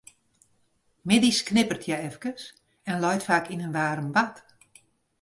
Middeis knipperet hja efkes en leit faak yn in waarm bad.